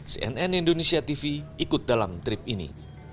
cnn indonesia tv ikut dalam trip ini